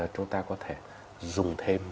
chúng ta có thể dùng thêm